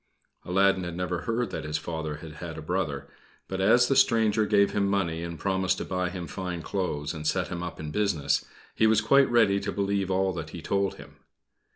Aladdin had never heard that his father had had a brother; but as the stranger gave him money and promised to buy him fine clothes and set him up in business, he was quite ready to believe all that he told him.